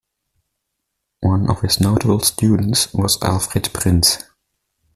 One of his notable students was Alfred Prinz.